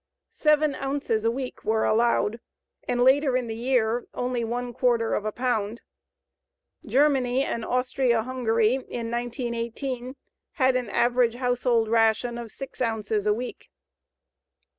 Seven ounces a week were allowed, and later in the year only one quarter of a pound. Germany and Austria Hungary in 1918 had an average household ration of 6 ounces a week.